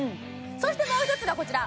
そしてもう１つがこちら